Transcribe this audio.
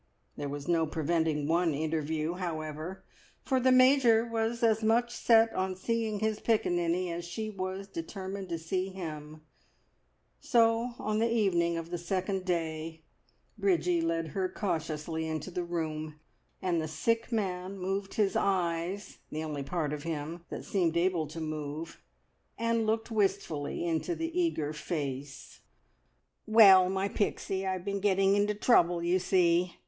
There was no preventing one interview, however, for the Major was as much set on seeing his piccaninny as she was determined to see him; so on the evening of the second day Bridgie led her cautiously into the room, and the sick man moved his eyes the only part of him that seemed able to move and looked wistfully into the eager face. "Well, my Pixie, I've been getting into trouble, you see!"